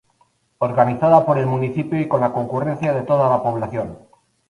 Organizada por el municipio y con la concurrencia de toda la población.